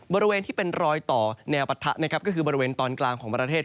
บริเวณที่เป็นรอยต่อแนวปะทะนะครับก็คือบริเวณตอนกลางของประเทศ